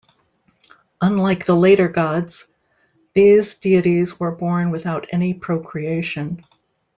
Unlike the later gods, these deities were born without any procreation.